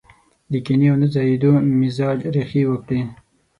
د کينې او نه ځايېدو مزاج ريښې وکړي.